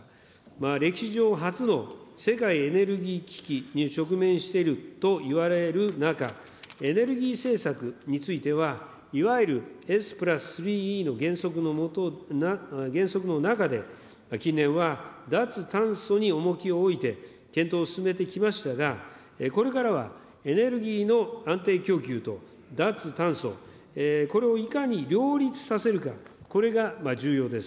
歴史上、初の世界エネルギー危機に直面しているといわれる中、エネルギー政策については、いわゆるＳ＋３Ｅの原則の中で、近年は脱炭素に重きを置いて検討を進めてきましたが、これからはエネルギーの安定供給と、脱炭素、これをいかに両立させるか、これが重要です。